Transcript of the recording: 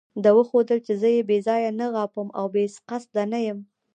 ده وښودل چې زه بې ځایه نه غاپم او بې قصده نه یم.